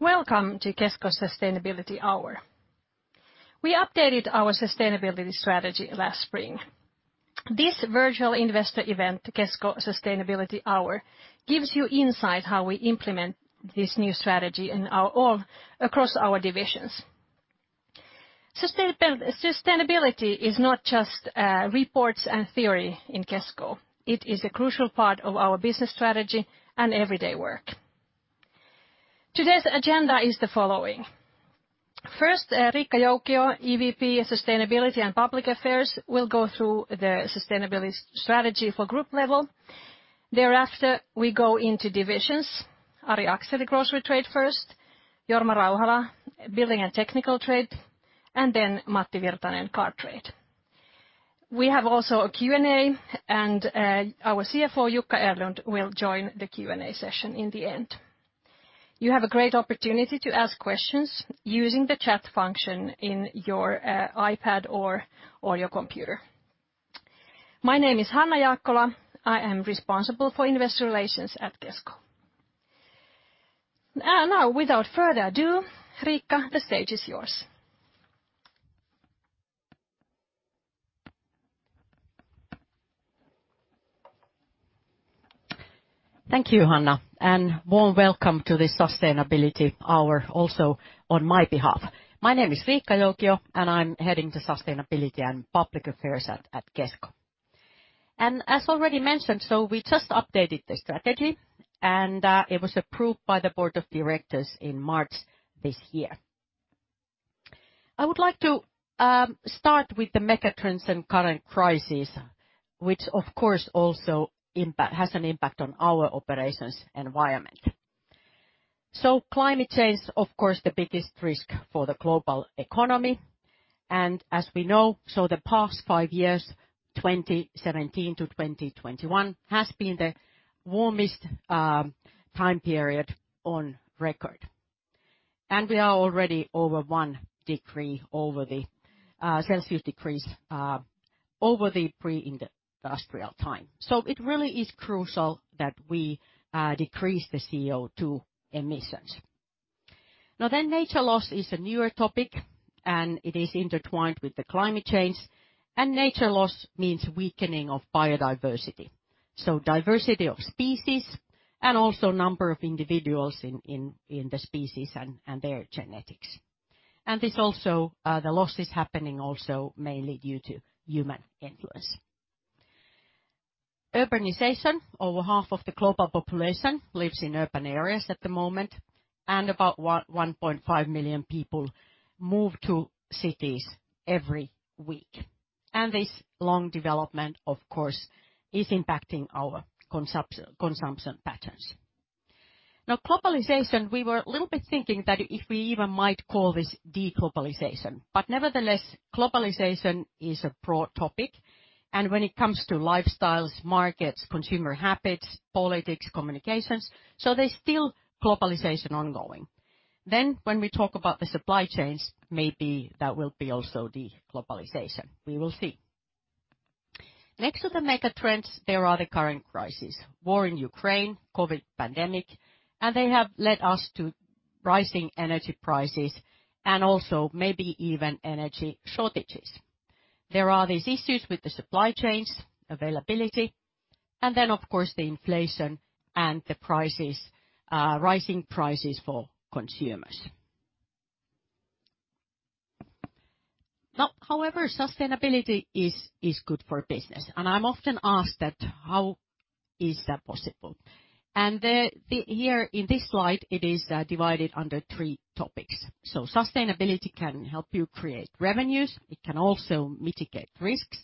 Welcome to Kesko Sustainability Hour. We updated our sustainability strategy last spring. This virtual investor event, Kesko Sustainability Hour, gives you insight how we implement this new strategy across our divisions. Sustainability is not just reports and theory in Kesko. It is a crucial part of our business strategy and everyday work. Today's agenda is the following. First, Riikka Joukio, EVP of Sustainability and Public Affairs, will go through the sustainability strategy for group level. Thereafter, we go into divisions. Ari Akseli, Grocery Trade first, Jorma Rauhala, Building and Technical Trade, and then Matti Virtanen, Car Trade. We have also a Q&A, and our Chief Financial Officer, Jukka Erlund, will join the Q&A session in the end. You have a great opportunity to ask questions using the chat function in your iPad or your computer. My name is Hanna Jaakkola. I am responsible for investor relations at Kesko. Now, without further ado, Riikka, the stage is yours. Thank you, Hanna, and warm welcome to this Sustainability Hour also on my behalf. My name is Riikka Joukio, and I'm heading the Sustainability and Public Affairs at Kesko. As already mentioned, we just updated the strategy, and it was approved by the board of directors in March this year. I would like to start with the megatrends and current crisis, which of course also has an impact on our operations environment. Climate change, of course, the biggest risk for the global economy, and as we know, the past five years, 2017 to 2021, has been the warmest time period on record. We are already over one degree over the degrees Celsius over the pre-industrial time. It really is crucial that we decrease the CO2 emissions. Now then, nature loss is a newer topic, and it is intertwined with the climate change, and nature loss means weakening of biodiversity, so diversity of species and also number of individuals in the species and their genetics. This also, the loss is happening also mainly due to human influence. Urbanization. Over half of the global population lives in urban areas at the moment, and about 1.5 million people move to cities every week. This long development, of course, is impacting our consumption patterns. Now, globalization, we were a little bit thinking that if we even might call this de-globalization, but nevertheless, globalization is a broad topic, and when it comes to lifestyles, markets, consumer habits, politics, communications. There's still globalization ongoing. When we talk about the supply chains, maybe that will be also de-globalization. We will see. Next to the megatrends, there are the current crises. War in Ukraine, COVID pandemic, and they have led us to rising energy prices and also maybe even energy shortages. There are these issues with the supply chains, availability, and then of course the inflation and the prices, rising prices for consumers. Now, however, sustainability is good for business, and I'm often asked that how is that possible? Here, in this slide, it is divided under three topics. Sustainability can help you create revenues. It can also mitigate risks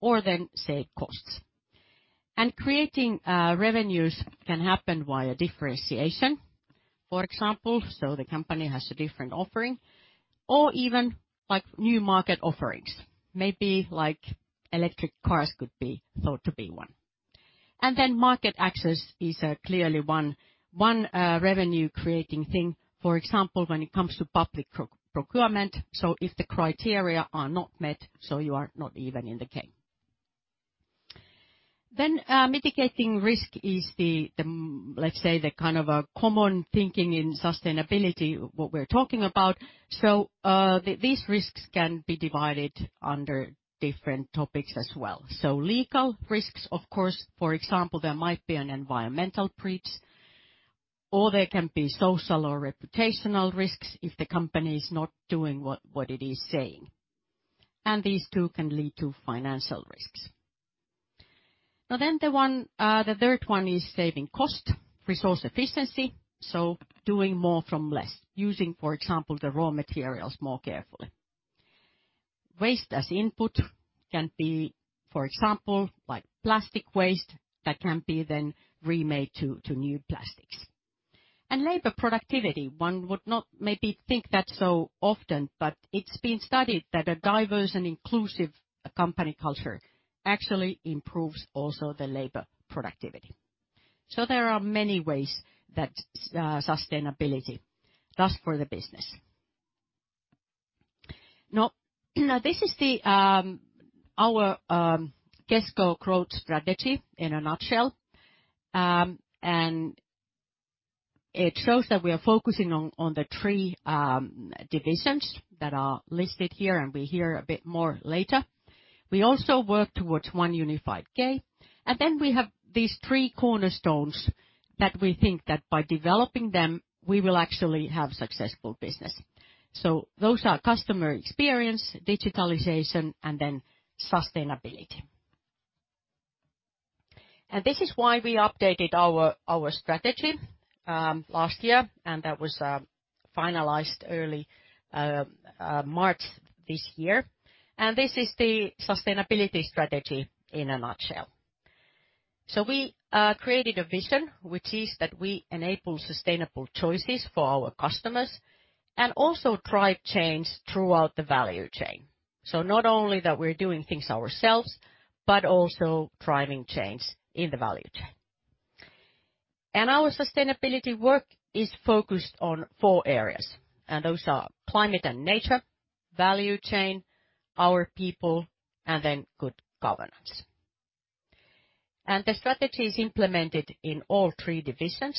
or then save costs. Creating revenues can happen via differentiation, for example, so the company has a different offering, or even like new market offerings. Maybe like electric cars could be thought to be one. Market access is clearly one revenue-creating thing. For example, when it comes to public procurement, if the criteria are not met, you are not even in the game. Mitigating risk is, let's say, the kind of common thinking in sustainability, what we're talking about. These risks can be divided under different topics as well. Legal risks, of course, for example, there might be an environmental breach, or there can be social or reputational risks if the company is not doing what it is saying. These two can lead to financial risks. The third one is saving cost. Resource efficiency, doing more from less, using, for example, the raw materials more carefully. Waste as input can be, for example, like plastic waste that can be then remade to new plastics. Labor productivity, one would not maybe think that so often, but it's been studied that a diverse and inclusive company culture actually improves also the labor productivity. There are many ways that sustainability does for the business. Now, this is our Kesko growth strategy in a nutshell. It shows that we are focusing on the three divisions that are listed here, and we hear a bit more later. We also work towards one unified K. Then we have these three cornerstones that we think that by developing them, we will actually have successful business. Those are customer experience, digitalization, and then sustainability. This is why we updated our strategy last year, and that was finalized early March this year. This is the sustainability strategy in a nutshell. We created a vision, which is that we enable sustainable choices for our customers, and also drive change throughout the value chain. Not only that we're doing things ourselves, but also driving change in the value chain. Our sustainability work is focused on four areas, and those are climate and nature, value chain, our people, and then good governance. The strategy is implemented in all three divisions,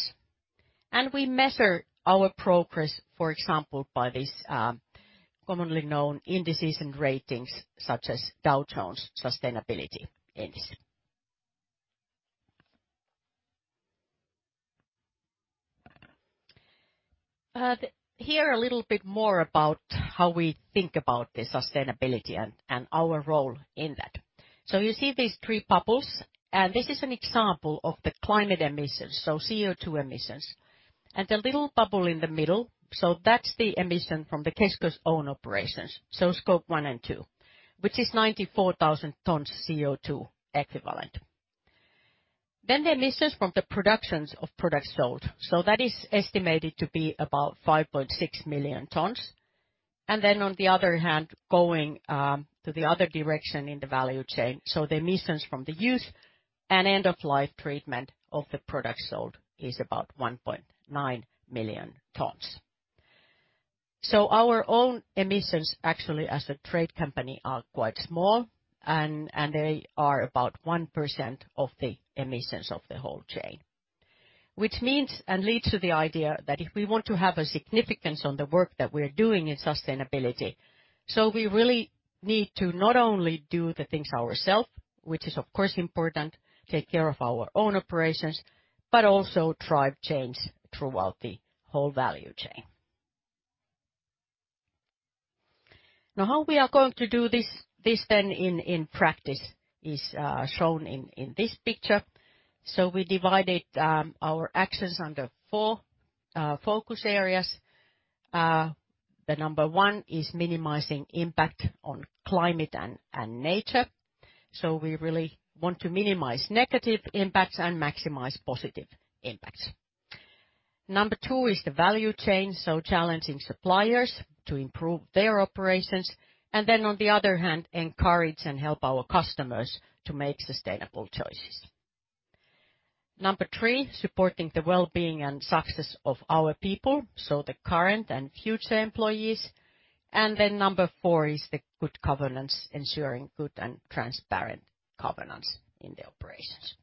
and we measure our progress, for example, by these commonly known indices and ratings such as Dow Jones Sustainability Index. Here a little bit more about how we think about the sustainability and our role in that. You see these three bubbles, and this is an example of the climate emissions, so CO2 emissions. The little bubble in the middle, that's the emission from Kesko's own operations, Scope one and two, which is 94,000 tons CO2 equivalent. The emissions from the productions of products sold. That is estimated to be about 5.6 million tons. On the other hand, going to the other direction in the value chain, the emissions from the use and end of life treatment of the product sold is about 1.9 million tons. Our own emissions actually as a trade company are quite small, and they are about 1% of the emissions of the whole chain, which means and leads to the idea that if we want to have a significance on the work that we're doing in sustainability, we really need to not only do the things ourselves, which is, of course, important, take care of our own operations, but also drive change throughout the whole value chain. Now, how we are going to do this then in practice is shown in this picture. We divided our actions under four focus areas. The number one is minimizing impact on climate and nature. We really want to minimize negative impacts and maximize positive impacts. Number two is the value chain, so challenging suppliers to improve their operations. On the other hand, encourage and help our customers to make sustainable choices. Number three, supporting the well-being and success of our people, so the current and future employees. Number four is the good governance, ensuring good and transparent governance in the operations.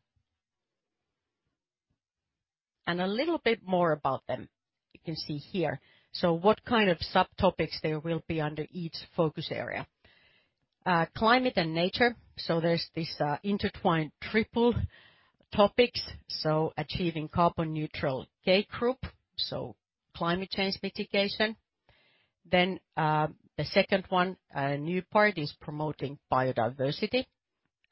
A little bit more about them you can see here. What kind of subtopics there will be under each focus area. Climate and nature. There's this intertwined triple topics, achieving Carbon Neutral K Group, climate change mitigation. Then, the second one, a new part, is promoting biodiversity.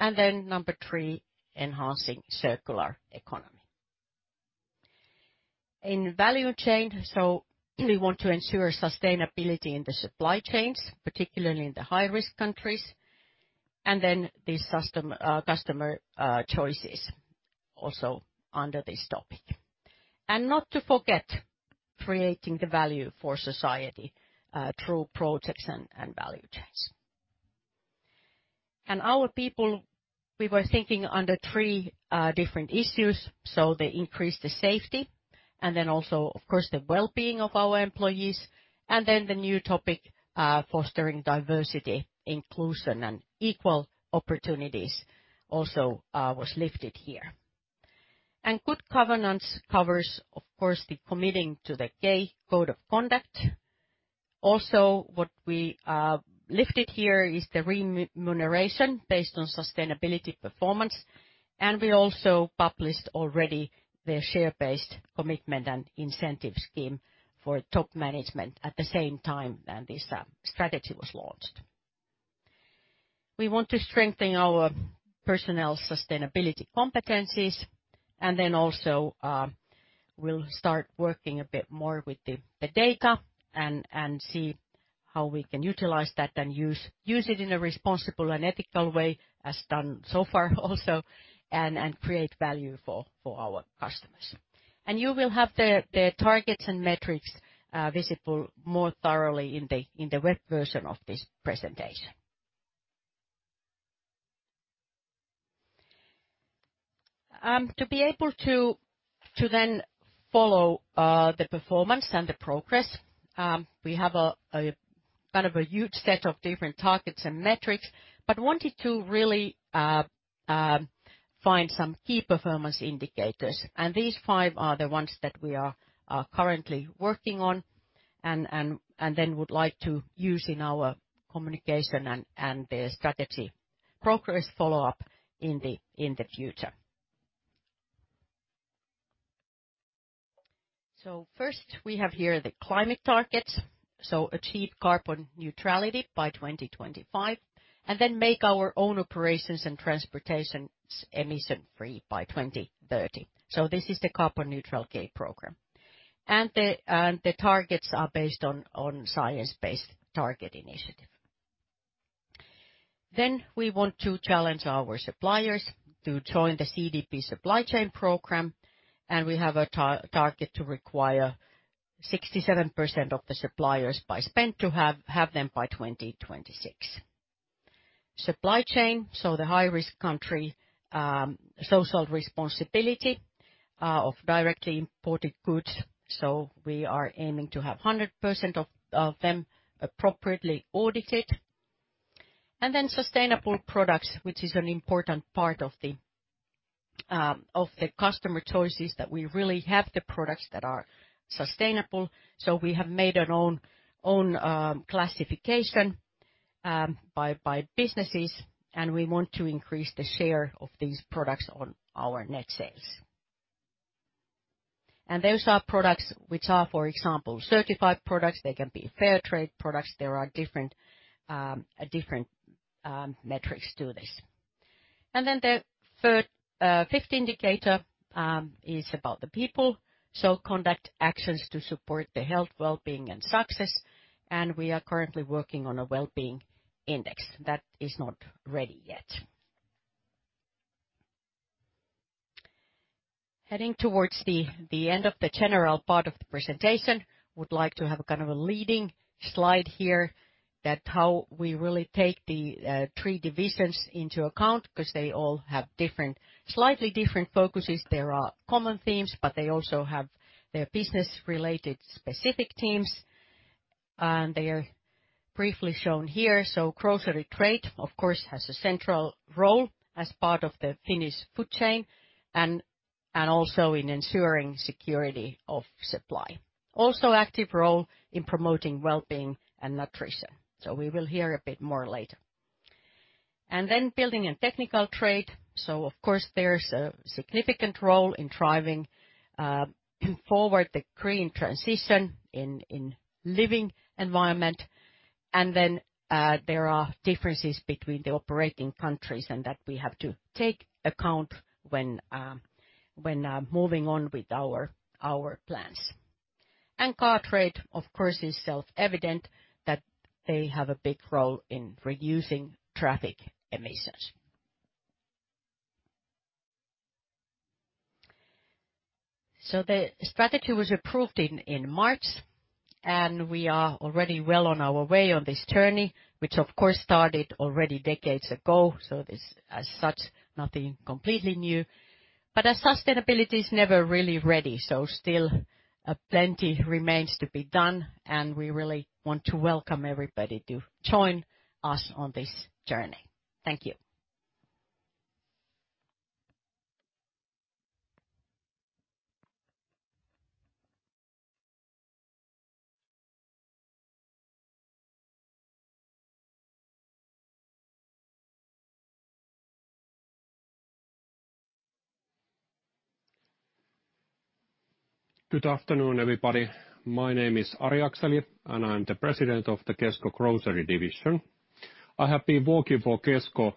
Number three, enhancing circular economy. In value chain, we want to ensure sustainability in the supply chains, particularly in the high-risk countries. Customer choices also under this topic. Not to forget, creating the value for society through projects and value chains. Our people, we were thinking under three different issues. They increase the safety, and then also, of course, the well-being of our employees. The new topic, fostering diversity, inclusion, and equal opportunities also, was lifted here. Good governance covers, of course, the committing to the K Code of Conduct. Also, what we lifted here is the remuneration based on sustainability performance. We also published already the share-based commitment and incentive scheme for top management at the same time than this strategy was launched. We want to strengthen our personnel sustainability competencies. Then also, we'll start working a bit more with the data and see how we can utilize that and use it in a responsible and ethical way, as done so far also, and create value for our customers. You will have the targets and metrics visible more thoroughly in the web version of this presentation. To be able to then follow the performance and the progress, we have a kind of huge set of different targets and metrics, but wanted to really find some key performance indicators. These five are the ones that we are currently working on and then would like to use in our communication and the strategy progress follow-up in the future. First, we have here the climate targets. Achieve carbon neutrality by 2025, and then make our own operations and transportation emission-free by 2030. This is the Carbon Neutral K Group. The targets are based on the Science Based Targets initiative. We want to challenge our suppliers to join the CDP supply chain program, and we have a target to require 67% of the suppliers by spend to have them by 2026. Supply chain, the high risk country social responsibility of directly imported goods. We are aiming to have 100% of them appropriately audited. Sustainable products, which is an important part of the customer choices that we really have the products that are sustainable. We have made our own classification by businesses, and we want to increase the share of these products on our net sales. Those are products which are, for example, certified products. They can be Fairtrade products. There are different metrics to this. Then the fifth indicator is about the people. Conduct actions to support the health, well-being, and success, and we are currently working on a well-being index that is not ready yet. Heading towards the end of the general part of the presentation, would like to have kind of a leading slide here that how we really take the three divisions into account because they all have different, slightly different focuses. There are common themes, but they also have their business-related specific teams, and they are briefly shown here. Grocery trade, of course, has a central role as part of the Finnish food chain and also in ensuring security of supply. Also active role in promoting wellbeing and nutrition. We will hear a bit more later. Building and technical trade. Of course, there's a significant role in driving forward the green transition in living environment. There are differences between the operating countries and that we have to take into account when moving on with our plans. Car trade, of course, is self-evident that they have a big role in reducing traffic emissions. The strategy was approved in March, and we are already well on our way on this journey, which of course started already decades ago. This, as such, nothing completely new. As sustainability is never really ready, so still, plenty remains to be done, and we really want to welcome everybody to join us on this journey. Thank you. Good afternoon, everybody. My name is Ari Akseli, and I'm the President of the Kesko grocery trade division. I have been working for Kesko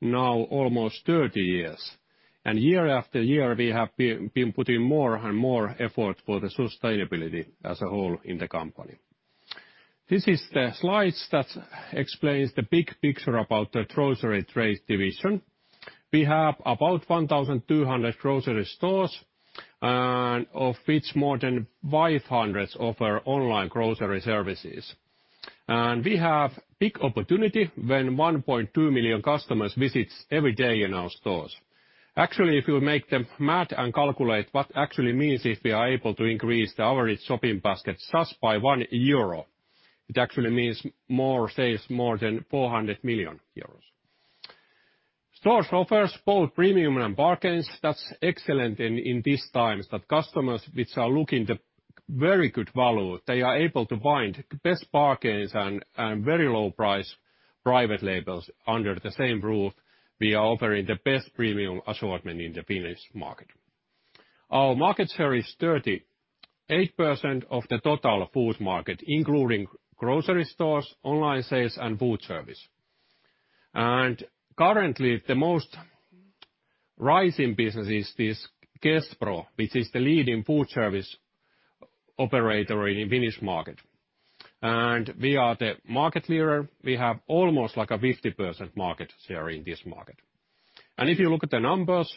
now almost 30 years, and year after year, we have been putting more and more effort for the sustainability as a whole in the company. This is the slides that explains the big picture about the grocery trade division. We have about 1,200 grocery stores, and of which more than 500 offer online grocery services. We have big opportunity when 1.2 million customers visit every day in our stores. Actually, if you do the math and calculate what actually means if we are able to increase the average shopping basket just by 1 euro, it actually means more sales, more than 400 million euros. Stores offer both premium and bargains. That's excellent in these times that customers which are looking the very good value, they are able to find the best bargains and very low price private labels under the same roof. We are offering the best premium assortment in the Finnish market. Our market share is 38% of the total food market, including grocery stores, online sales, and food service. Currently, the most rising business is this Kespro, which is the leading food service operator in Finnish market. We are the market leader. We have almost like a 50% market share in this market. If you look at the numbers,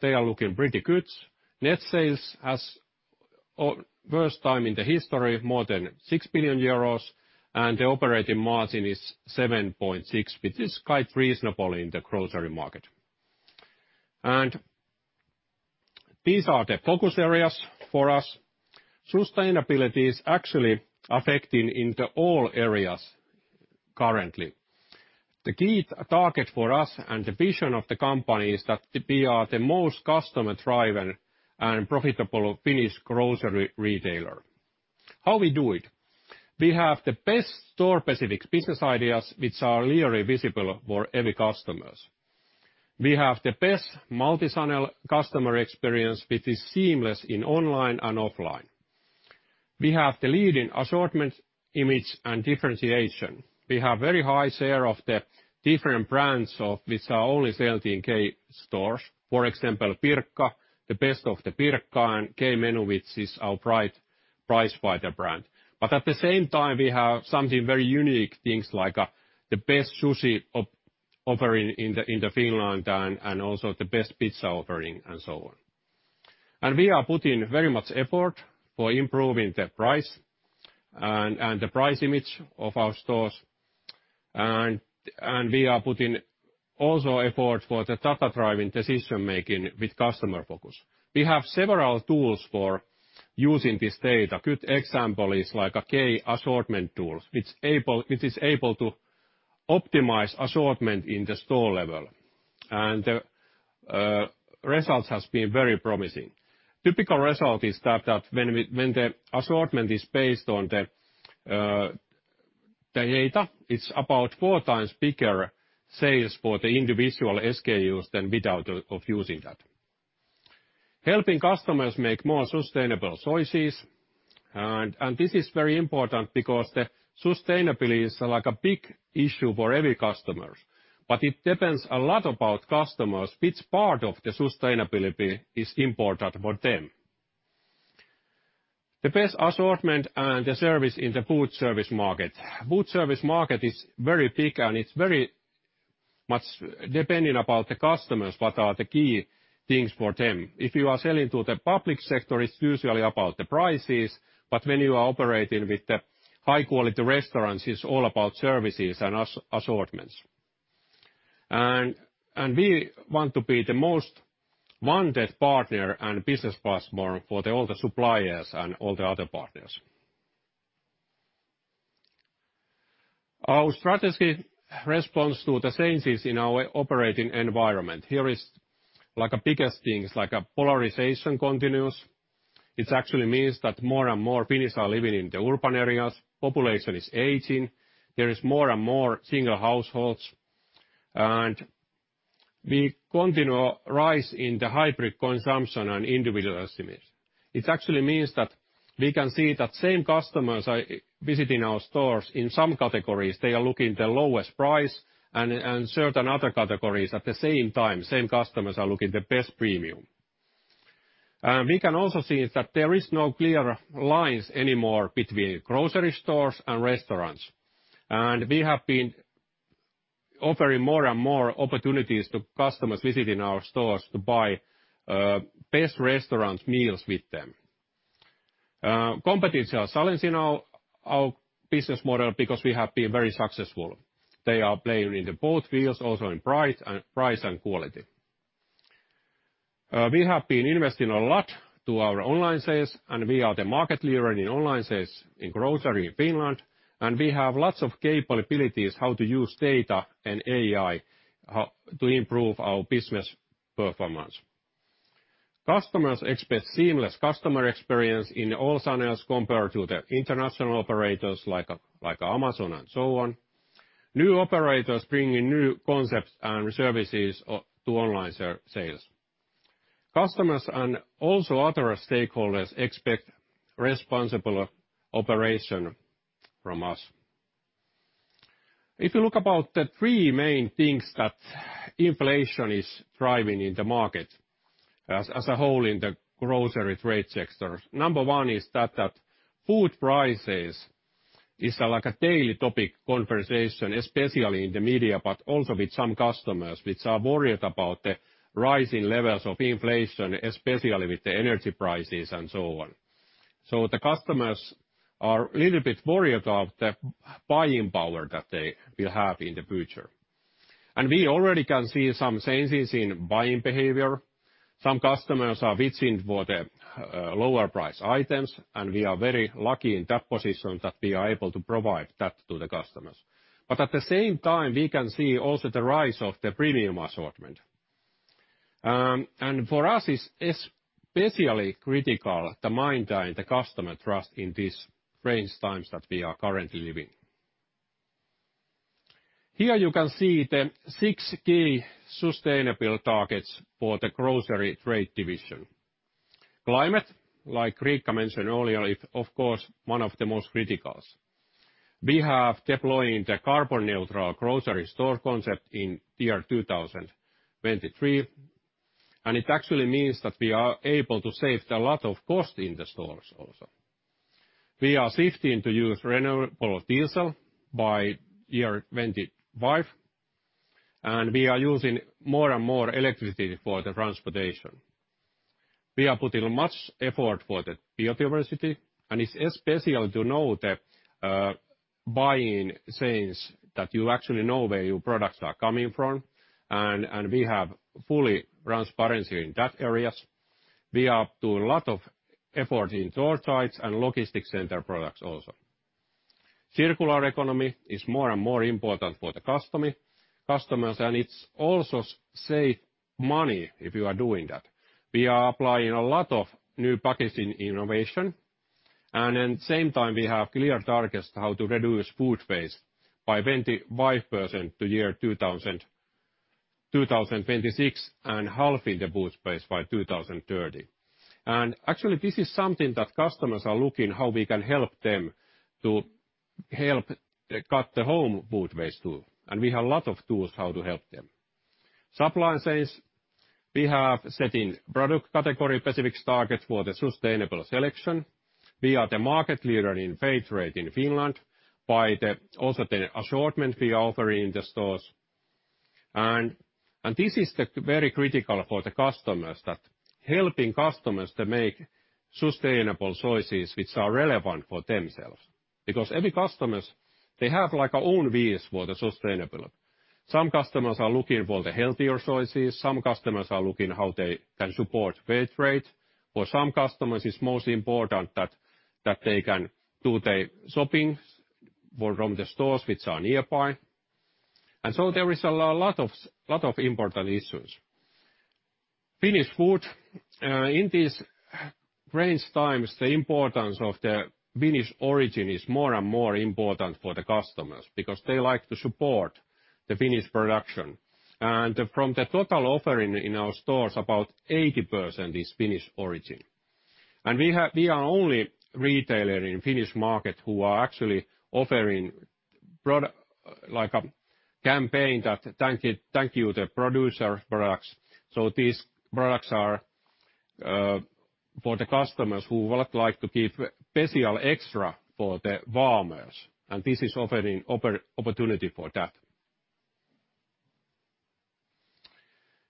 they are looking pretty good. Net sales has, for first time in the history of more than 6 billion euros, and the operating margin is 7.6%, which is quite reasonable in the grocery market. These are the focus areas for us. Sustainability is actually affecting into all areas currently. The key target for us and the vision of the company is that we are the most customer-driven and profitable Finnish grocery retailer. How we do it? We have the best store specific business ideas, which are really visible for every customers. We have the best multi-channel customer experience, which is seamless in online and offline. We have the leading assortment, image, and differentiation. We have very high share of the different brands of which are only sold in K stores. For example, Pirkka, the best of the Pirkka and K-Menu, which is our price fighter brand. At the same time, we have something very unique, things like, the best sushi offering in Finland and also the best pizza offering and so on. We are putting very much effort for improving the price and the price image of our stores. We are putting also effort for the data-driven decision making with customer focus. We have several tools for using this data. Good example is like a K Assortment Tools, which is able to optimize assortment in the store level. Results has been very promising. Typical result is that when the assortment is based on the data, it's about 4x bigger sales for the individual SKUs than without using that. Helping customers make more sustainable choices and this is very important because the sustainability is like a big issue for every customers. But it depends a lot about customers which part of the sustainability is important for them. The best assortment and the service in the food service market. Food service market is very big, and it's very much depending on the customers, what are the key things for them. If you are selling to the public sector, it's usually about the prices, but when you are operating with the high quality restaurants, it's all about services and assortments. We want to be the most wanted partner and business partner for all the suppliers and all the other partners. Our strategy responds to the changes in our operating environment. Here is like biggest things, like a polarization continues. It actually means that more and more Finns are living in the urban areas, population is aging, there is more and more single households, and we continue our rise in the hybrid consumption and individualism. It actually means that we can see that same customers are visiting our stores in some categories, they are looking the lowest price and certain other categories at the same time, same customers are looking the best premium. We can also see that there is no clear lines anymore between grocery stores and restaurants. We have been offering more and more opportunities to customers visiting our stores to buy best restaurants meals with them. Competitor challenging our business model because we have been very successful. They are playing in both fields, also in price and quality. We have been investing a lot to our online sales, and we are the market leader in online sales in grocery in Finland, and we have lots of capabilities how to use data and AI to improve our business performance. Customers expect seamless customer experience in all channels compared to the international operators like Amazon and so on. New operators bring in new concepts and services to online sales. Customers and also other stakeholders expect responsible operation from us. If you look about the three main things that inflation is driving in the market as a whole in the grocery trade sector, number one is that food prices is like a daily topic conversation, especially in the media, but also with some customers which are worried about the rising levels of inflation, especially with the energy prices and so on. Customers are a little bit worried about the buying power that they will have in the future. We already can see some changes in buying behavior. Some customers are reaching for the lower price items, and we are very lucky in that position that we are able to provide that to the customers. At the same time, we can see also the rise of the premium assortment. For us, it's especially critical maintaining customer trust in these challenging times that we are currently living. Here you can see the six key sustainable targets for the grocery trade division. Climate, like Riikka mentioned earlier, is of course one of the most critical. We have deployed the carbon-neutral grocery store concept in 2023, and it actually means that we are able to save a lot of cost in the stores also. We are shifting to use renewable diesel by 2025. We are using more and more electricity for the transportation. We are putting much effort for the biodiversity, and it's special to know that, buying things that you actually know where your products are coming from, and we have full transparency in that areas. We do a lot of effort in store sites and logistics center products also. Circular economy is more and more important for the customer, customers, and it's also save money if you are doing that. We are applying a lot of new packaging innovation. At same time we have clear targets how to reduce food waste by 25% to year 2026 and half the food waste by 2030. Actually this is something that customers are looking how we can help them to help, cut the home food waste too, and we have a lot of tools how to help them. Supply chains, we have set in product category specific targets for the sustainable selection. We are the market leader in Fairtrade in Finland by the, also the assortment we are offering in the stores. This is very critical for the customers, that helping customers to make sustainable choices which are relevant for themselves. Because every customer, they have like their own views for the sustainable. Some customers are looking for the healthier choices. Some customers are looking how they can support Fairtrade. For some customers is most important that they can do their shopping from the stores which are nearby. There is a lot of important issues. Finnish food. In these strange times, the importance of the Finnish origin is more and more important for the customers because they like to support the Finnish production. From the total offering in our stores, about 80% is Finnish origin. We are only retailer in Finnish market who are actually offering like a campaign that thank you to producer products. These products are for the customers who would like to give special extra for the farmers, and this is offering opportunity for that.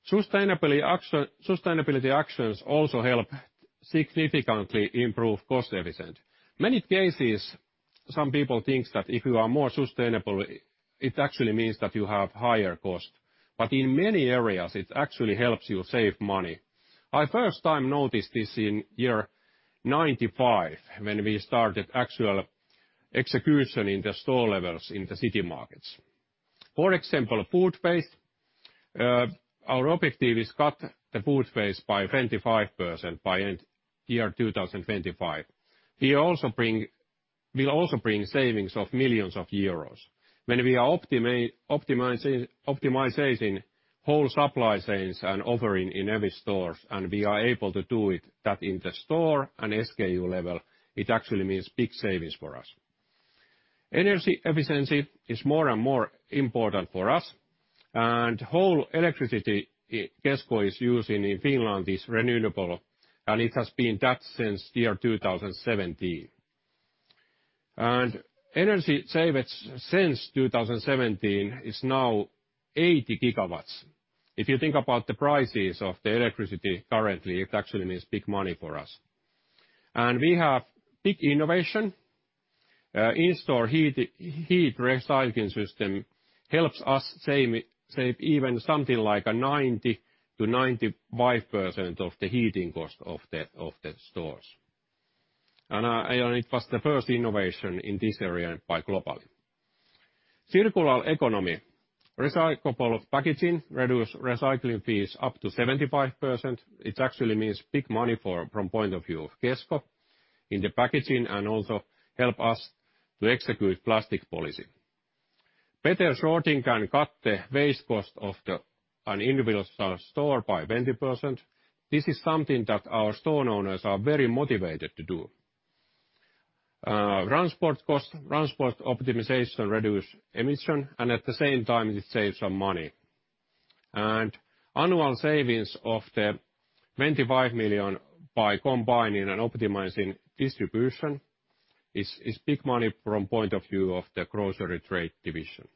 Sustainability actions also help significantly improve cost efficient. In many cases, some people think that if you are more sustainable it actually means that you have higher cost. In many areas, it actually helps you save money. I first time noticed this in year 1995 when we started actual execution in the store levels in the city markets. For example, food waste, our objective is cut the food waste by 25% by end year 2025. We will also bring savings of millions of EUR. When we are optimizing whole supply chains and assortments in every stores, and we are able to do that in the store and SKU level, it actually means big savings for us. Energy efficiency is more and more important for us. The whole electricity Kesko is using in Finland is renewable, and it has been that since 2017. Energy savings since 2017 is now 80 gigawatts. If you think about the prices of the electricity currently, it actually means big money for us. We have big innovation. In-store heat recycling system helps us save even something like 90%-95% of the heating cost of the stores. It was the first innovation in this area globally. Circular economy. Recyclable packaging reduce recycling fees up to 75%. It actually means big money from point of view of Kesko in the packaging and also help us to execute plastic policy. Better sorting can cut the waste cost of an individual store by 20%. This is something that our store owners are very motivated to do. Transport cost, transport optimization reduce emission and at the same time it saves some money. Annual savings of 25 million by combining and optimizing distribution is big money from point of view of the grocery trade division.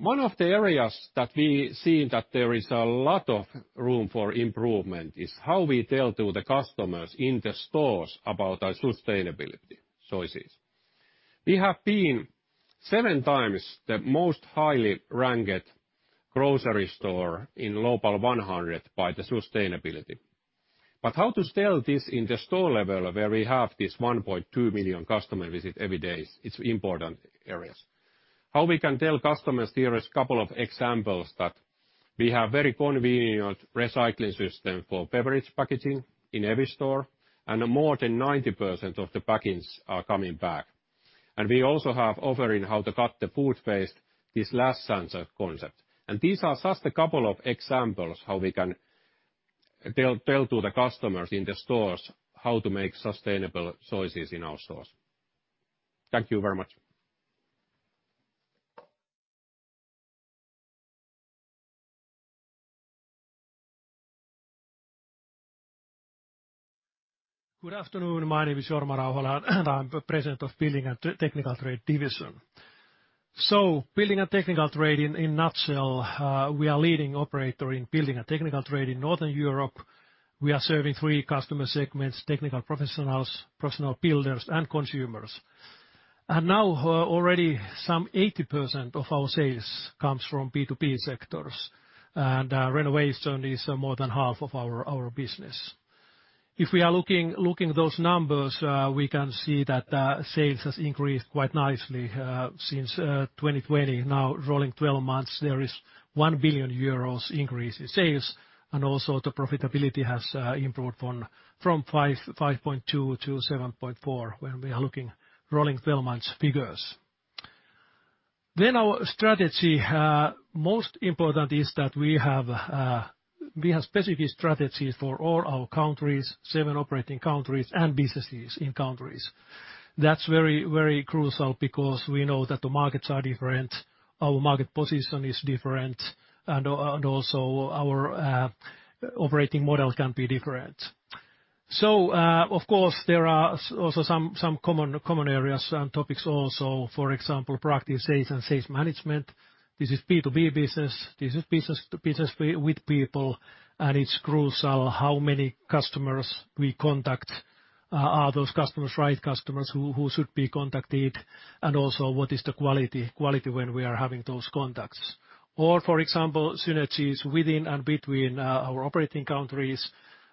One of the areas that we see that there is a lot of room for improvement is how we tell the customers in the stores about our sustainability choices. We have been 7x the most highly ranked grocery store in Global 100 by the sustainability. How to sell this in the store level where we have this 1.2 million customer visit every day, it's important areas. How we can tell customers there is couple of examples that we have very convenient recycling system for beverage packaging in every store, and more than 90% of the packages are coming back. We also have offering how to cut the food waste, this last chance concept. These are just a couple of examples how we can tell to the customers in the stores how to make sustainable choices in our stores. Thank you very much. Good afternoon. My name is Jorma Rauhala, and I'm the President of Building and Technical Trade division. Building and Technical Trade, in a nutshell, we are a leading operator in Building and Technical Trade in Northern Europe. We are serving three customer segments: technical professionals, professional builders, and consumers. Now, already some 80% of our sales comes from B2B sectors, and renovation is more than half of our business. If we are looking at those numbers, we can see that sales has increased quite nicely since 2020. Now, rolling twelve months, there is 1 billion euros increase in sales, and also the profitability has improved from 5.2% to 7.4%, when we are looking at rolling twelve months figures. Our strategy most important is that we have specific strategies for all our countries, seven operating countries, and businesses in countries. That's very crucial because we know that the markets are different, our market position is different, and also our operating models can be different. Of course there are also some common areas and topics also, for example, practice sales and sales management. This is B2B business. This is business to business with people, and it's crucial how many customers we contact, are those customers right customers who should be contacted, and also what is the quality when we are having those contacts. Or for example, synergies within and between our operating countries,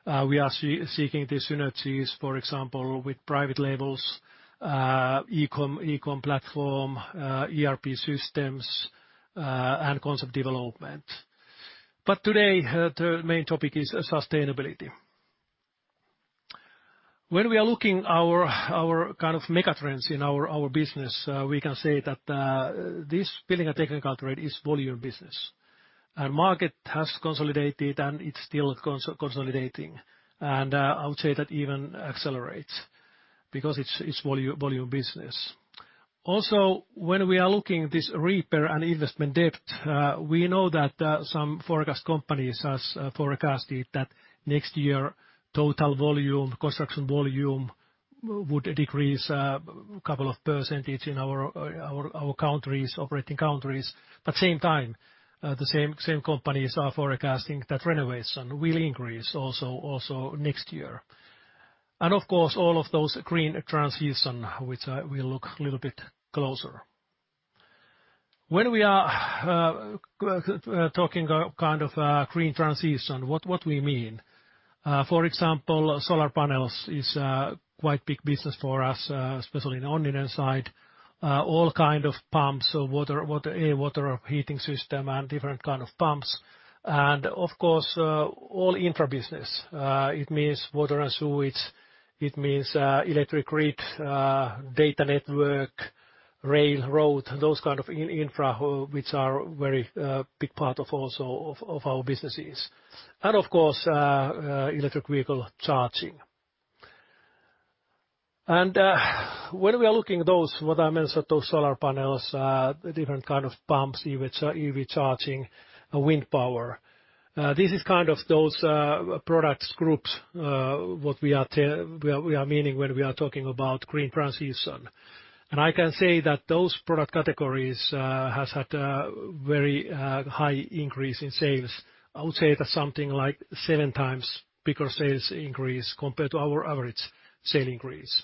we are seeking the synergies, for example, with private labels, eCom platform, ERP systems, and concept development. Today, the main topic is sustainability. When we are looking our kind of mega trends in our business, we can say that this Building and Technical Trade is volume business. Our market has consolidated and it's still consolidating. I would say that even accelerates because it's volume business. Also, when we are looking this repair and investment debt, we know that some forecast companies has forecasted that next year total volume, construction volume would decrease couple of percentage in our operating countries. Same time, the same companies are forecasting that renovation will increase also next year. Of course, all of those green transition, which I will look little bit closer. When we are talking kind of green transition, what we mean? For example, solar panels is quite big business for us, especially in Onninen side. All kind of pumps or water, air, water heating system and different kind of pumps. Of course, electric vehicle charging. When we are looking those, what I meant, those solar panels, different kind of pumps, EV charging, wind power, this is kind of those products groups, what we are meaning when we are talking about green transition. I can say that those product categories has had very high increase in sales. I would say that something like 7x bigger sales increase compared to our average sale increase.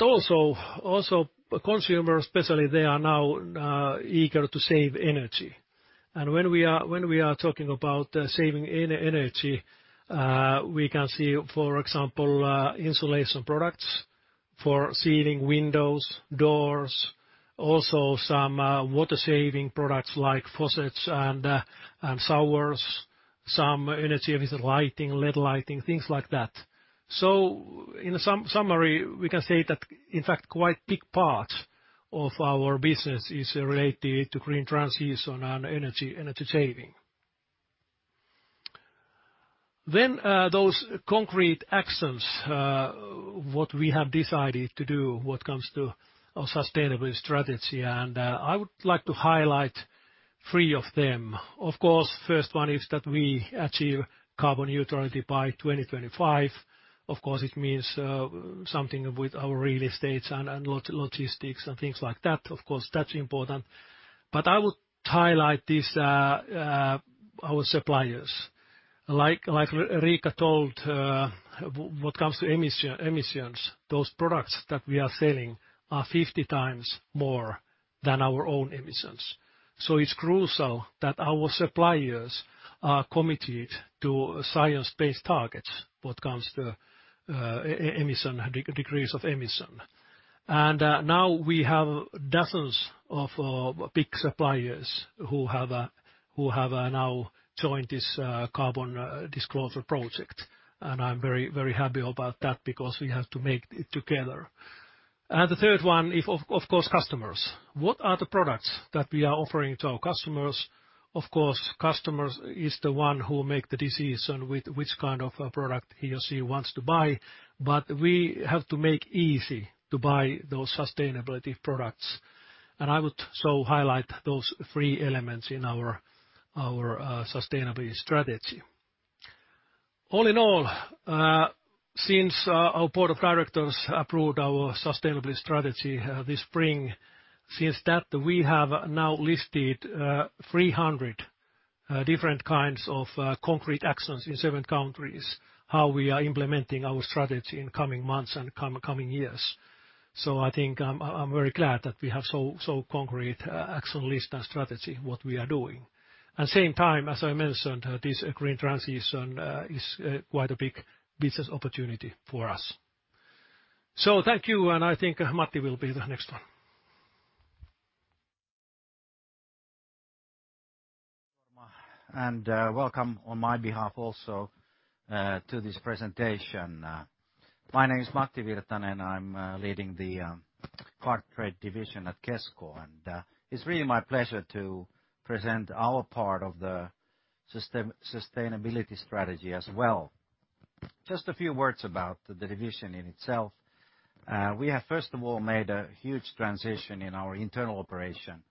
Also consumers especially, they are now eager to save energy. When we are talking about saving energy, we can see, for example, insulation products for ceiling, windows, doors, also some water-saving products like faucets and showers, some energy efficient lighting, LED lighting, things like that. In summary, we can say that in fact, quite big part of our business is related to green transition and energy saving. Those concrete actions what we have decided to do when it comes to our sustainable strategy, I would like to highlight three of them. Of course, first one is that we achieve carbon neutrality by 2025. Of course, it means something with our real estates and logistics and things like that. Of course, that's important. I would highlight this, our suppliers. Like Riikka told, when it comes to emissions, those products that we are selling are 50x more than our own emissions. It's crucial that our suppliers are committed to science-based targets when it comes to emission decrease of emission. Now we have dozens of big suppliers who have now joined this Carbon Disclosure Project. I'm very, very happy about that because we have to make it together. The third one, of course, customers. What are the products that we are offering to our customers? Of course, customers is the one who make the decision with which kind of a product he or she wants to buy, but we have to make it easy to buy those sustainability products. I would so highlight those three elements in our sustainability strategy. All in all, since our board of directors approved our sustainability strategy this spring, since that, we have now listed 300 different kinds of concrete actions in seven countries, how we are implementing our strategy in coming months and coming years. I think, I'm very glad that we have so concrete action list and strategy, what we are doing. At the same time, as I mentioned, this green transition is quite a big business opportunity for us. Thank you, and I think Matti will be the next one. Welcome on my behalf also to this presentation. My name is Matti Virtanen, and I'm leading the car trade division at Kesko. It's really my pleasure to present our part of the sustainability strategy as well. Just a few words about the division in itself. We have, first of all, made a huge transition in our internal operation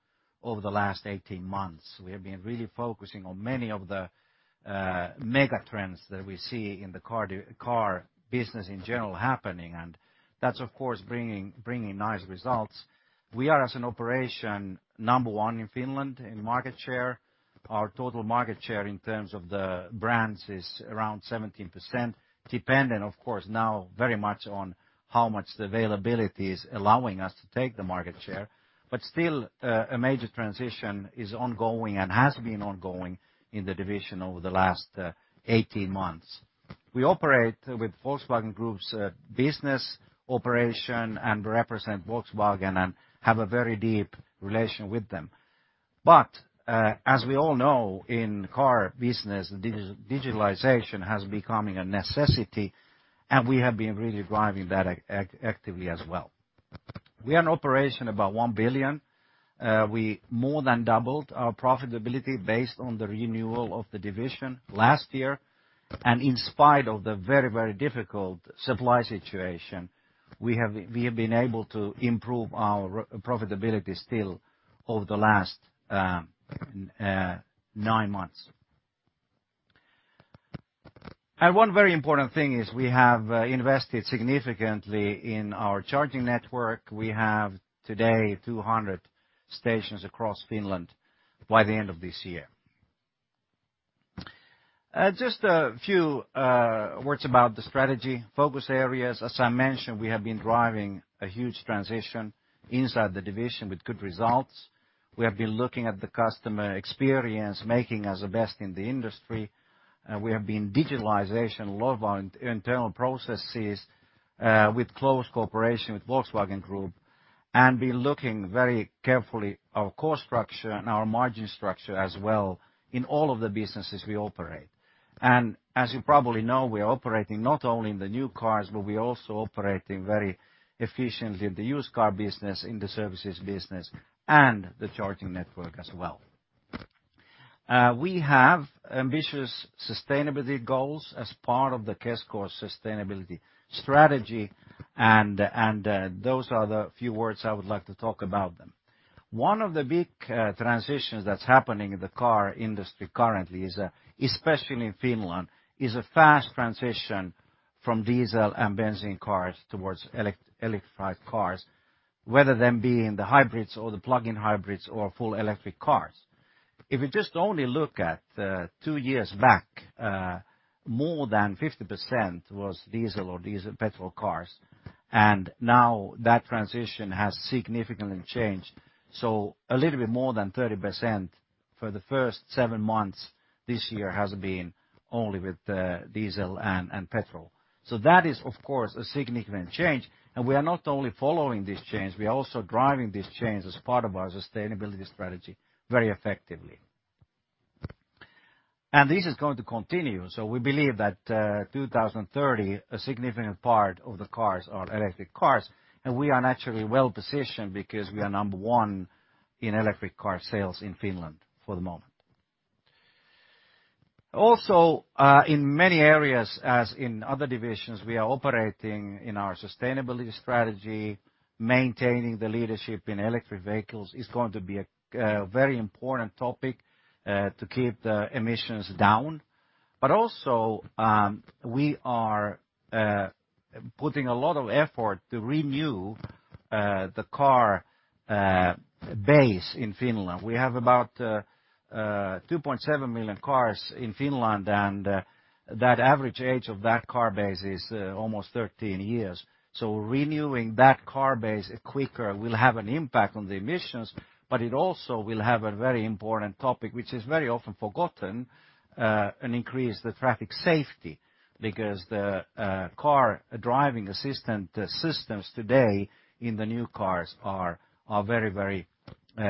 over the last 18 months. We have been really focusing on many of the mega trends that we see in the car business in general happening, and that's of course bringing nice results. We are, as an operation, number one in Finland in market share. Our total market share in terms of the brands is around 17%, dependent of course now very much on how much the availability is allowing us to take the market share. Still, a major transition is ongoing and has been ongoing in the division over the last 18 months. We operate with Volkswagen Group's business operation and represent Volkswagen and have a very deep relation with them. As we all know, in car business, digitalization has become a necessity, and we have been really driving that actively as well. We are in operation about 1 billion. We more than doubled our profitability based on the renewal of the division last year. In spite of the very, very difficult supply situation, we have been able to improve our profitability still over the last 9 months. One very important thing is we have invested significantly in our charging network. We have today 200 stations across Finland by the end of this year. Just a few words about the strategy focus areas. As I mentioned, we have been driving a huge transition inside the division with good results. We have been looking at the customer experience, making us the best in the industry. We have been digitalizing a lot of our internal processes, with close cooperation with Volkswagen Group and been looking very carefully at our cost structure and our margin structure as well in all of the businesses we operate. As you probably know, we are operating not only in the new cars, but we're also operating very efficiently in the used car business, in the services business, and the charging network as well. We have ambitious sustainability goals as part of the Kesko sustainability strategy and those are the few words I would like to talk about them. One of the big transitions that's happening in the car industry currently is especially in Finland a fast transition from diesel and petrol cars towards electrified cars whether them being the hybrids or the plug-in hybrids or full electric cars. If you just only look at two years back more than 50% was diesel or petrol cars and now that transition has significantly changed. A little bit more than 30% for the first seven months this year has been only with diesel and petrol. That is of course a significant change. We are not only following this change we are also driving this change as part of our sustainability strategy very effectively. This is going to continue. We believe that 2030 a significant part of the cars are electric cars. We are naturally well-positioned because we are number one in electric car sales in Finland for the moment. Also, in many areas, as in other divisions, we are operating in our sustainability strategy. Maintaining the leadership in electric vehicles is going to be a very important topic to keep the emissions down. We are putting a lot of effort to renew the car base in Finland. We have about 2.7 million cars in Finland, and that average age of that car base is almost 13 years. Renewing that car base quicker will have an impact on the emissions, but it also will have a very important topic, which is very often forgotten, and increase the traffic safety. Because the car driving assistant systems today in the new cars are very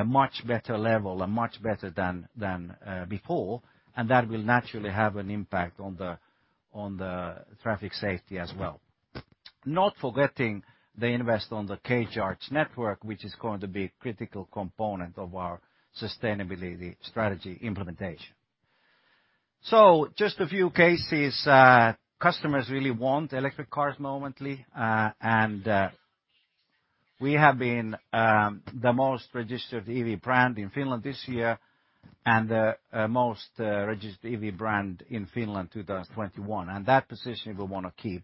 much better level and much better than before. That will naturally have an impact on the traffic safety as well. Not forgetting the investment in the K Charge network, which is going to be a critical component of our sustainability strategy implementation. Just a few cases, customers really want electric cars currently, and we have been the most registered EV brand in Finland this year, and most registered EV brand in Finland 2021. That position we wanna keep.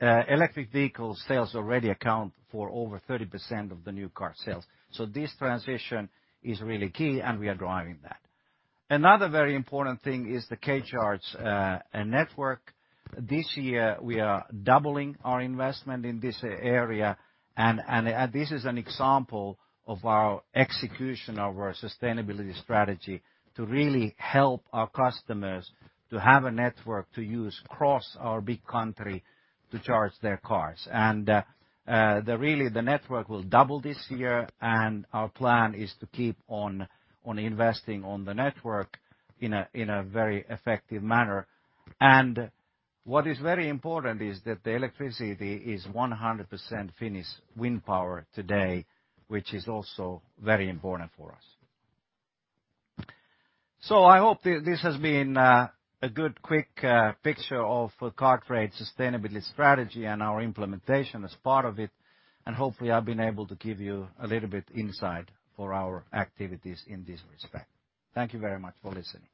Electric vehicle sales already account for over 30% of the new car sales. This transition is really key, and we are driving that. Another very important thing is the K Charge network. This year, we are doubling our investment in this area, and this is an example of our execution of our sustainability strategy to really help our customers to have a network to use across our big country to charge their cars. The network will double this year, and our plan is to keep on investing on the network in a very effective manner. What is very important is that the electricity is 100% Finnish wind power today, which is also very important for us. I hope this has been a good quick picture of car trade sustainability strategy and our implementation as part of it. Hopefully, I've been able to give you a little bit insight for our activities in this respect. Thank you very much for listening.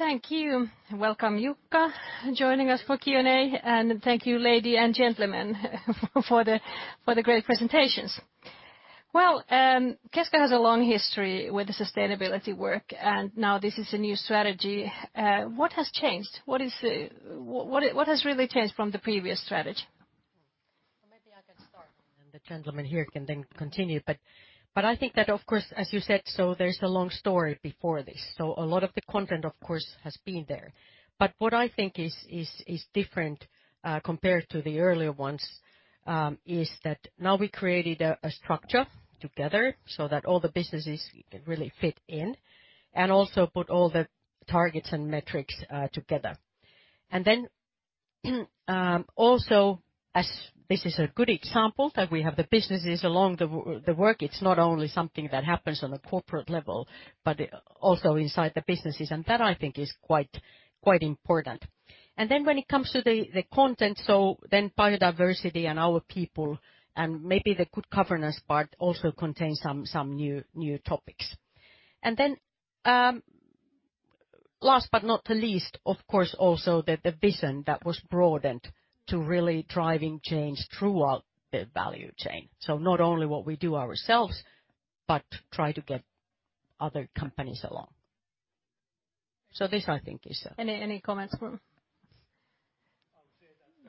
Thank you. Welcome, Jukka, joining us for Q&A, and thank you, ladies and gentlemen for the great presentations. Well, Kesko has a long history with the sustainability work, and now this is a new strategy. What has changed? What has really changed from the previous strategy? Maybe I can start, and the gentleman here can then continue. I think that, of course, as you said, there's a long story before this. A lot of the content, of course, has been there. What I think is different compared to the earlier ones is that now we created a structure together so that all the businesses really fit in, and also put all the targets and metrics together. Then, also, as this is a good example that we have the businesses along the workflow, it's not only something that happens on a corporate level, but also inside the businesses. That I think is quite important. When it comes to the content, so then biodiversity and our people, and maybe the good governance part also contains some new topics. Last but not the least, of course, also the vision that was broadened to really driving change throughout the value chain. Not only what we do ourselves, but try to get other companies along. This I think is. Any more comments?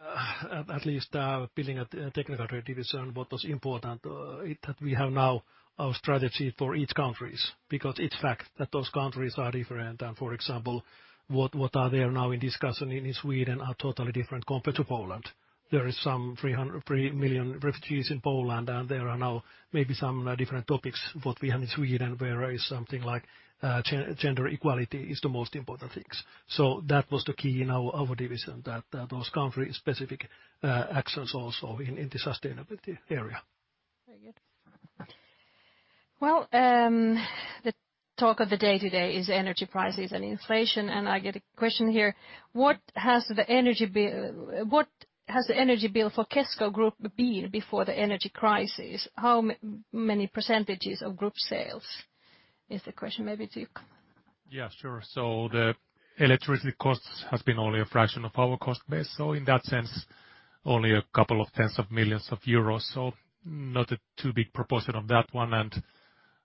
I would say that at least, Building and Technical Trade division, what was important, that we have now our strategy for each countries, because it's fact that those countries are different. For example, what are there now in discussion in Sweden are totally different compared to Poland. There is some 3 million refugees in Poland, and there are now maybe some different topics, what we have in Sweden, where is something like, gender equality is the most important things. That was the key in our division, that those country-specific actions also in the sustainability area. Very good. Well, the talk of the day today is energy prices and inflation, and I get a question here. What has the energy bill for Kesko Group been before the energy crisis? How many percent of group sales, is the question maybe to Jukka. Yeah, sure. The electricity cost has been only a fraction of our cost base. In that sense, only a couple of tens of millions EUR. Not too big proportion of that one.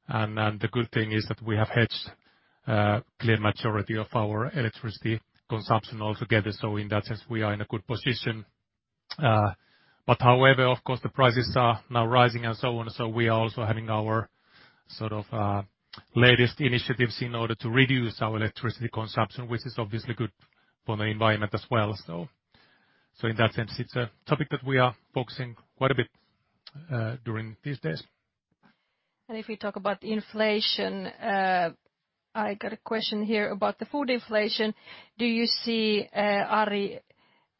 The good thing is that we have hedged clear majority of our electricity consumption altogether. In that sense, we are in a good position. However, of course, the prices are now rising and so on. We are also having our sort of latest initiatives in order to reduce our electricity consumption, which is obviously good for the environment as well. In that sense, it's a topic that we are focusing quite a bit during these days. If we talk about inflation, I got a question here about the food inflation. Do you see, Ari,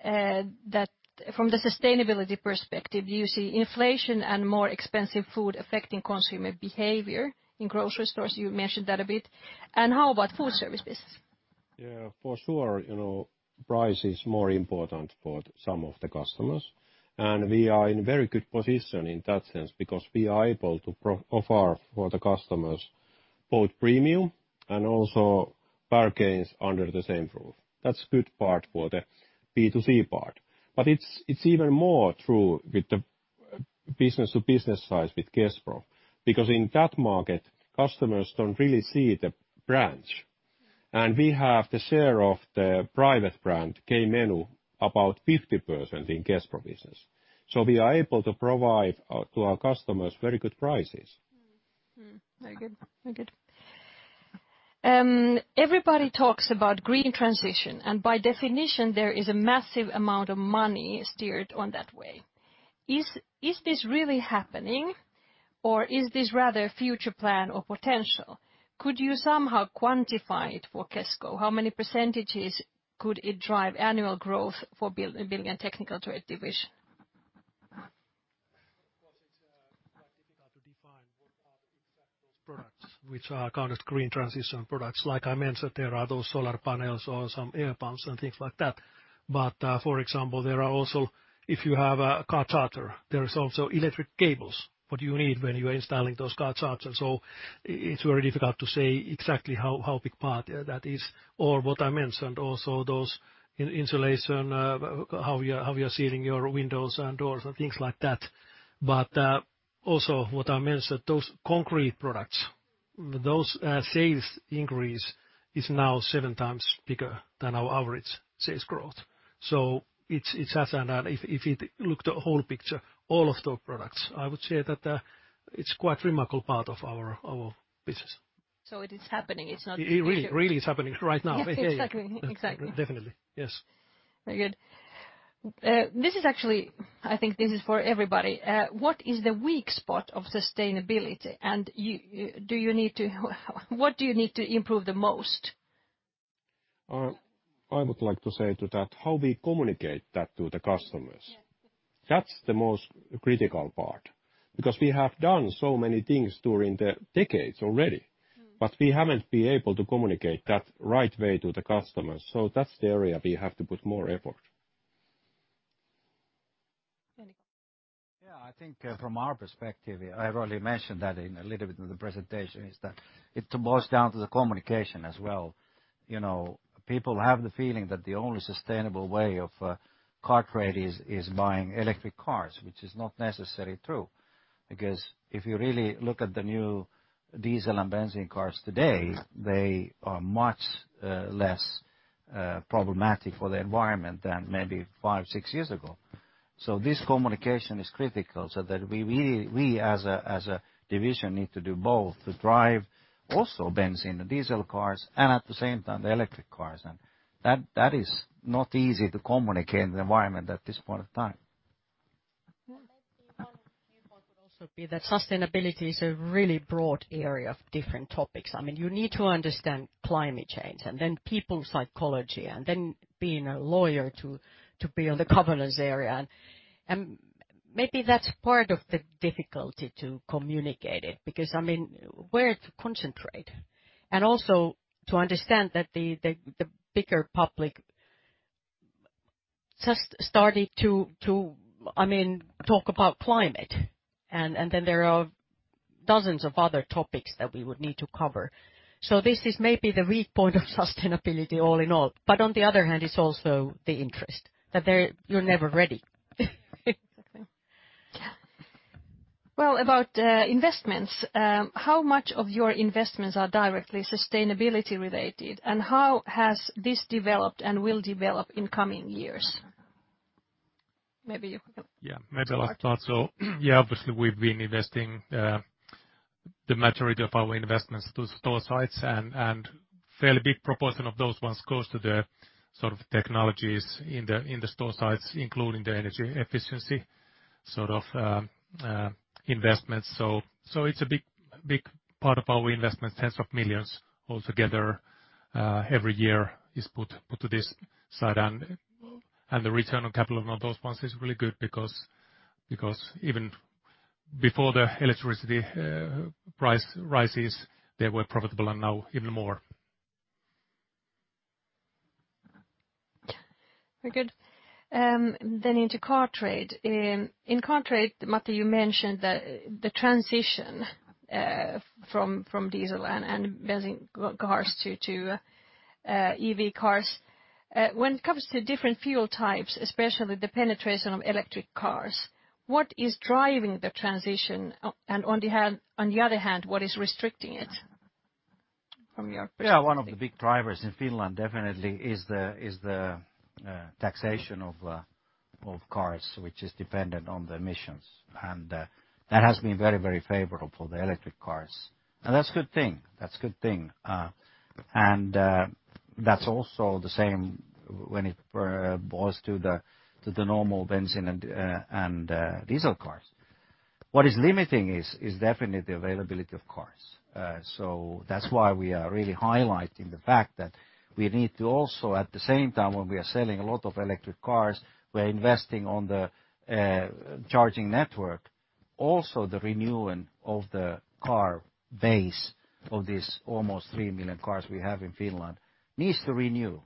that from the sustainability perspective, do you see inflation and more expensive food affecting consumer behavior in grocery stores? You mentioned that a bit. How about food services? Yeah, for sure, you know, price is more important for some of the customers. We are in very good position in that sense because we are able to offer for the customers both premium and also bargains under the same roof. That's good part for the B2C part. It's even more true with the business to business side with Kespro. Because in that market, customers don't really see the brand. We have the share of the private brand K-Menu about 50% in Kespro business. We are able to provide to our customers very good prices. Mm-hmm. Very good. Very good. Everybody talks about green transition, and by definition, there is a massive amount of money steered in that way. Is this really happening or is this rather future plan or potential? Could you somehow quantify it for Kesko? How many percentages could it drive annual growth for Building and Technical Trade division? Which are kind of green transition products. Like I mentioned, there are those solar panels or some air pumps and things like that. For example, there are also, if you have a car charger, there is also electric cables, what you need when you are installing those car chargers. It's very difficult to say exactly how big part that is. What I mentioned also, those installation, how you're sealing your windows and doors and things like that. Also what I mentioned, those concrete products, those sales increase is now 7x bigger than our average sales growth. It's as an. If you look the whole picture, all of those products, I would say that it's quite remarkable part of our business. It is happening. It's not a vision. It really, really is happening right now. Exactly. Definitely, yes. Very good. This is actually. I think this is for everybody. What is the weak spot of sustainability? What do you need to improve the most? I would like to say to that, how we communicate that to the customers. Yes. That's the most critical part, because we have done so many things during the decades already. Mm. We haven't been able to communicate that right way to the customers. That's the area we have to put more effort. Any comments? Yeah. I think, from our perspective, I've already mentioned that in a little bit of the presentation, is that it boils down to the communication as well. You know, people have the feeling that the only sustainable way of car trade is buying electric cars, which is not necessarily true. Because if you really look at the new diesel and petrol cars today. Mm. They are much less problematic for the environment than maybe five years, six years ago. This communication is critical so that we as a division need to do both to drive also petrol and diesel cars and at the same time the electric cars. That is not easy to communicate in the environment at this point of time. Mm. Maybe one of the main part would also be that sustainability is a really broad area of different topics. I mean, you need to understand climate change and then people's psychology and then being a lawyer to be on the governance area. Maybe that's part of the difficulty to communicate it, because I mean, where to concentrate? Also to understand that the bigger public just started to I mean, talk about climate and then there are dozens of other topics that we would need to cover. This is maybe the weak point of sustainability all in all. On the other hand, it's also the interest that you're never ready. Exactly. Yeah. Well, about investments, how much of your investments are directly sustainability related and how has this developed and will develop in coming years? Maybe you can start. Yeah. Maybe the last part. Yeah, obviously, we've been investing the majority of our investments to store sites and fairly big proportion of those ones goes to the sort of technologies in the store sites, including the energy efficiency sort of investments. It's a big part of our investment, tens of millions EUR altogether every year is put to this side. The return on capital on those ones is really good because even before the electricity price rises, they were profitable and now even more. Very good. Into car trade. In car trade, Matti, you mentioned the transition from diesel and petrol cars to EV cars. When it comes to different fuel types, especially the penetration of electric cars, what is driving the transition? On the other hand, what is restricting it from your perspective? Yeah. One of the big drivers in Finland definitely is the taxation of cars, which is dependent on the emissions. That has been very favorable for the electric cars. That's good thing. That's also the same when it boils down to the normal petrol and diesel cars. What is limiting is definitely the availability of cars. That's why we are really highlighting the fact that we need to also at the same time, when we are selling a lot of electric cars, we are investing on the charging network. Also, the renewing of the car base of this almost 3 million cars we have in Finland needs to renew.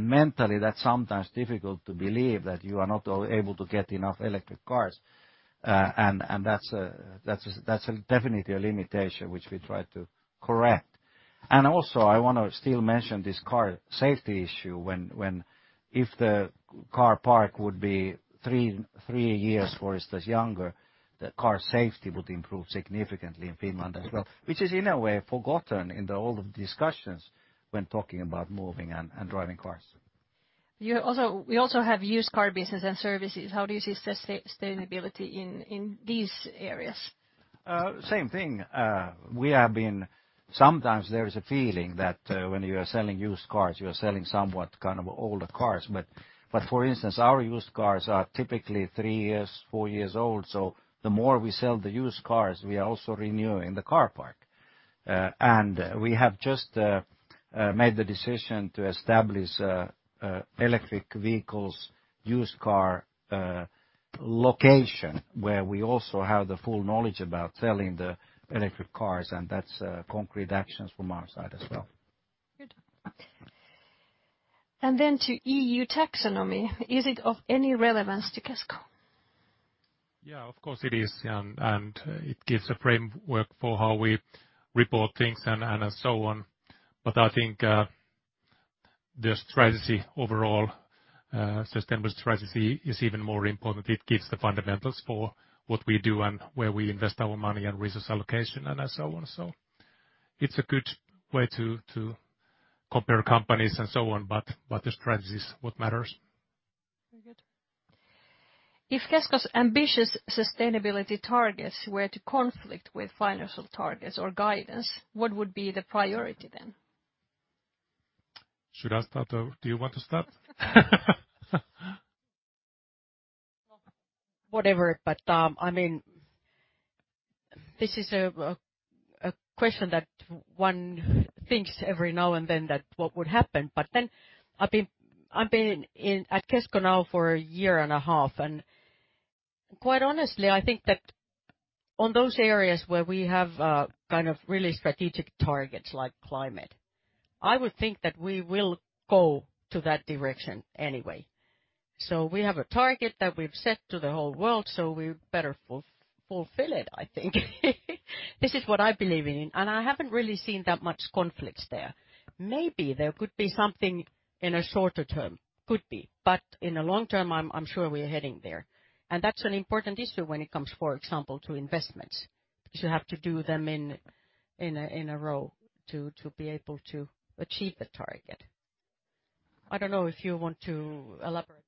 Mentally, that's sometimes difficult to believe that you are not able to get enough electric cars. That's definitely a limitation which we try to correct. Also, I wanna still mention this car safety issue if the car park would be three years, for instance, younger, the car safety would improve significantly in Finland as well, which is in a way forgotten in all of the discussions when talking about moving and driving cars. We also have used car business and services. How do you see sustainability in these areas? Same thing. Sometimes there is a feeling that, when you are selling used cars, you are selling somewhat kind of older cars. But for instance, our used cars are typically three years, four years old. So the more we sell the used cars, we are also renewing the car park. We have just, Made the decision to establish electric vehicles used car location, where we also have the full knowledge about selling the electric cars, and that's concrete actions from our side as well. Good. To EU Taxonomy, is it of any relevance to Kesko? Yeah, of course it is, yeah. It gives a framework for how we report things and so on. I think the strategy overall, sustainable strategy is even more important. It gives the fundamentals for what we do and where we invest our money and resource allocation and so on. It's a good way to compare companies and so on, but what the strategy is what matters. Very good. If Kesko's ambitious sustainability targets were to conflict with financial targets or guidance, what would be the priority then? Should I start or do you want to start? Well, whatever. I mean, this is a question that one thinks every now and then that what would happen. I've been in at Kesko now for a year and a half, and quite honestly, I think that on those areas where we have kind of really strategic targets like climate, I would think that we will go to that direction anyway. We have a target that we've set to the whole world, so we better fulfill it, I think. This is what I believe in. I haven't really seen that much conflicts there. Maybe there could be something in a shorter term. Could be. In the long term, I'm sure we are heading there. That's an important issue when it comes, for example, to investments, because you have to do them in a row to be able to achieve the target. I don't know if you want to elaborate.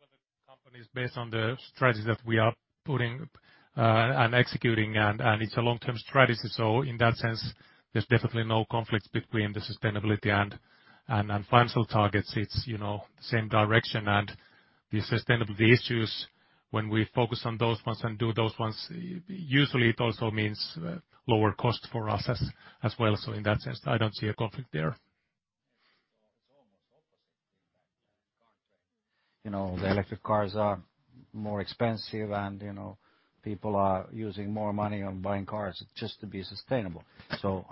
Well, the company is based on the strategies that we are putting and executing, and it's a long-term strategy. In that sense, there's definitely no conflict between the sustainability and financial targets. It's, you know, same direction. The sustainability issues, when we focus on those ones and do those ones, usually it also means lower cost for us as well. In that sense, I don't see a conflict there. It's almost opposite in that contract. You know, the electric cars are more expensive and, you know, people are using more money on buying cars just to be sustainable.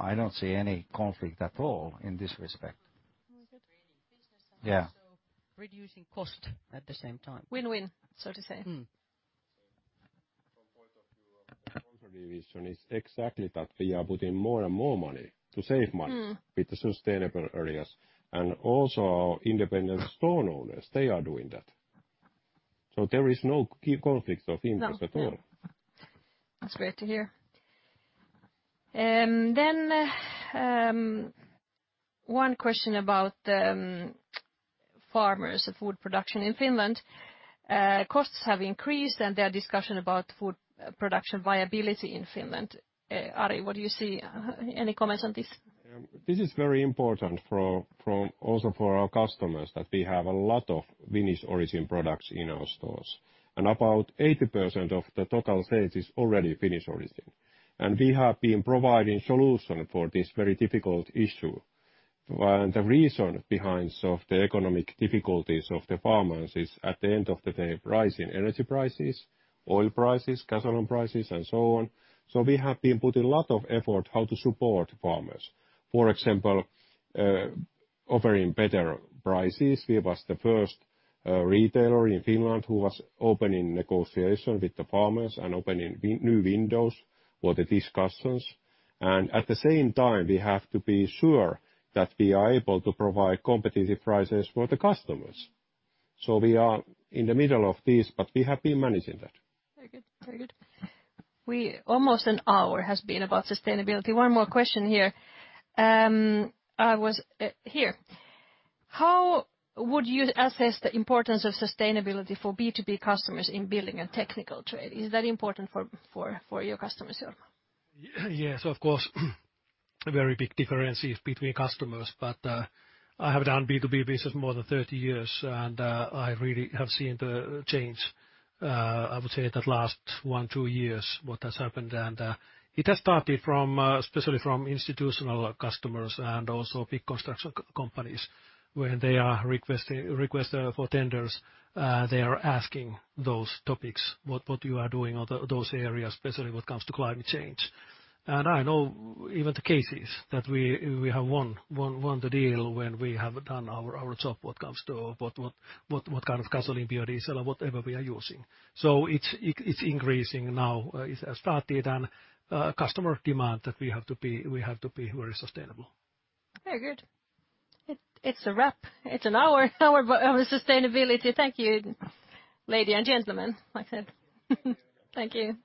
I don't see any conflict at all in this respect. Mm-hmm. Yeah. Reducing cost at the same time. Win-win, so to say. Mm-hmm. From the point of view of the control division is exactly that we are putting more and more money to save money. Mm-hmm. With the sustainable areas. Also our independent store owners, they are doing that. There is no key conflict of interest at all. No. That's great to hear. One question about farmers, food production in Finland. Ari, what do you see? Any comments on this? This is very important also for our customers, that we have a lot of Finnish origin products in our stores. About 80% of the total sales is already Finnish origin. We have been providing solution for this very difficult issue. The reason behind sort of the economic difficulties of the farmers is at the end of the day, rise in energy prices, oil prices, gasoline prices, and so on. We have been putting a lot of effort how to support farmers. For example, offering better prices. We was the first retailer in Finland who was opening negotiation with the farmers and opening new windows for the discussions. At the same time, we have to be sure that we are able to provide competitive prices for the customers. We are in the middle of this, but we have been managing that. Very good. Almost an hour has been about sustainability. One more question here. I was here. How would you assess the importance of sustainability for B2B customers in building and technical trade? Is that important for your customers, Jorma? Yes, of course. Very big differences between customers, but I have done B2B business more than 30 years, and I really have seen the change. I would say that last one year-two years, what has happened. It has started from especially from institutional customers and also big construction companies, where they are requesting for tenders. They are asking those topics, what you are doing on those areas, especially when it comes to climate change. I know even the cases that we have won the deal when we have done our job when it comes to what kind of gasoline, biodiesel, or whatever we are using. It's increasing now. It's started and customer demand that we have to be very sustainable. Very good. It's a wrap. It's an hour of sustainability. Thank you, ladies and gentlemen. That's it. Thank you.